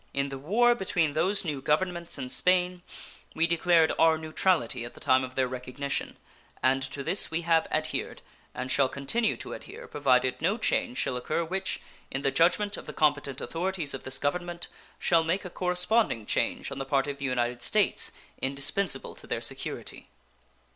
In the war between those new Governments and Spain we declared our neutrality at the time of their recognition, and to this we have adhered, and shall continue to adhere, provided no change shall occur which, in the judgment of the competent authorities of this Government, shall make a corresponding change on the part of the United States indispensable to their security.